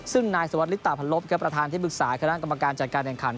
ซึ่งนายสวัสดิตาพันลบครับประธานที่ปรึกษาคณะกรรมการจัดการแห่งขัน